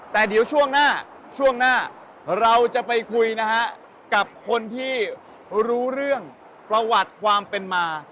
แต่เดี๋ยวช่วงหน้าช่วงหน้าเราจะไปคุยนะฮะกับคนที่รู้เรื่องประวัติความเป็นมา